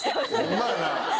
ホンマやな。